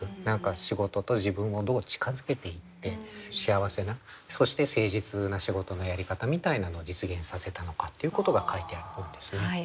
何か仕事と自分をどう近づけていって幸せなそして誠実な仕事のやり方みたいなのを実現させたのかっていうことが書いてある本ですね。